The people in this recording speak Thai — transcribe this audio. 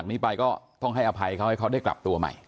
นี้ไปก็ต้องให้อภัยเขาให้เขาได้กลับตัวใหม่